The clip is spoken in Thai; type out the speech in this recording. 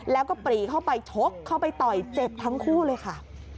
แล้วก็ปรีเข้าไปชกเข้าไปต่อยเจ็บทั้งคู่เลยค่ะ